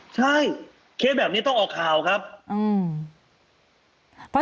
ใช่เคสแบบนี้ต้องออกข่าวครับอืม